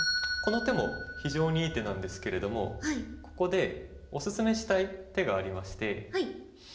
この手も非常にいい手なんですけれどもここでおすすめしたい手がありまして。